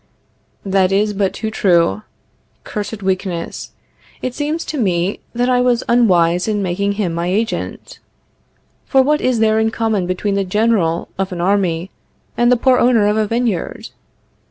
That is but too true. Cursed weakness! It seems to me that I was unwise in making him my agent; for what is there in common between the General of an army and the poor owner of a vineyard?